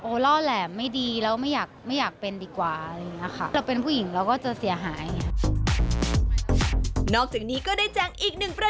ล่อแหลมไม่ดีแล้วไม่อยากไม่อยากเป็นดีกว่าอะไรอย่างนี้ค่ะ